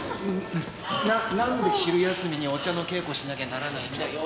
なんで昼休みにお茶の稽古しなきゃならないんだよ。